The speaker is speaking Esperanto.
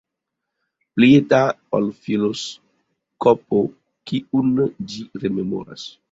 Pli eta ol filoskopo, kiun ĝi rememoras.